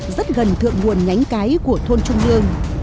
rất gần thượng nguồn nhánh cái của thôn trung lương